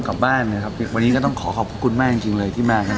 ก็ต้องขอขอบคุณมากที่มาทุกคน